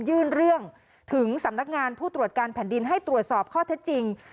ยื่นเรื่องถึงสำนักงานผู้ตรวจการแผ่นดินให้ตรวจสอบข้อเท็จจริง